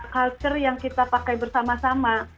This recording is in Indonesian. culture yang kita pakai bersama sama